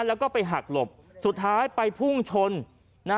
แล้วก็ไปหักหลบสุดท้ายไปพุ่งชนนะ